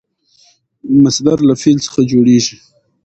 مصدر له فعل څخه جوړېږي.